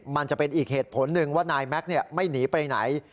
มันจะเป็นอีกเหตุผลหนึ่งว่านายแม็กซ์ไม่หนีไปไหน